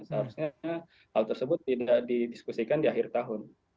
seharusnya hal tersebut tidak didiskusikan di akhir tahun